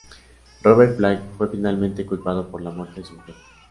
Robert Blake fue finalmente culpado por la muerte de su mujer.